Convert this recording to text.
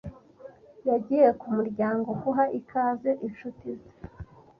Yagiye ku muryango guha ikaze inshuti ze.